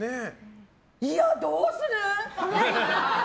いや、どうする？